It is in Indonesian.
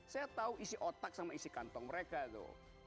saya tahu isi otak sama isi kantong mereka tuh